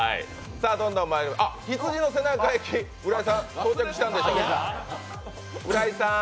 あ、羊の背中焼き、到着したんでしょうか。